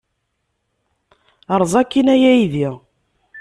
Erẓ akkin, a aydi!